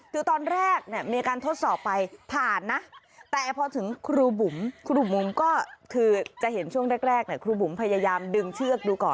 คือตอนแรกเนี่ยมีการทดสอบไป